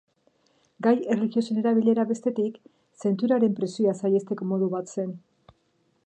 Gai erlijiosoen erabilera, bestetik, zentsuraren presioa saihesteko modu bat zen.